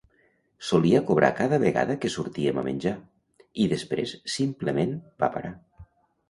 Solia cobrar cada vegada que sortíem a menjar, i després simplement va parar.